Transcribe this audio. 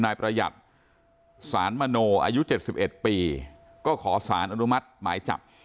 นายประหยัดสารมโนอายุ๗๑ปีก็ขอสารอนุมัติหมายจับ